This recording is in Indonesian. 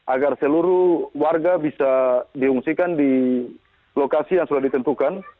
agar seluruh warga bisa diungsikan di lokasi yang sudah ditentukan